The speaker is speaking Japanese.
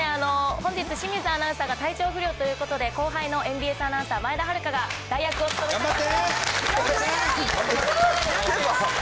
本日、清水アナウンサーが体調不良ということで、後輩のＭＢＳアナウンサー、前田春香が代役を務めさせていただきます。